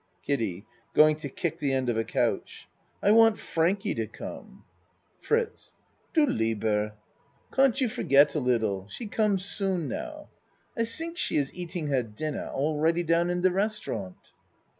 KIDDIE (Going to kick the end of a couch.) I want Frankie to come. FRITZ Du Leiber! Can't you forget a liddle? She come soon, now. I tink she iss eating her din ner all ready down in de restaurant.